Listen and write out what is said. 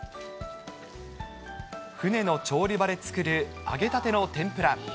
船の調理場で作る揚げたての天ぷら。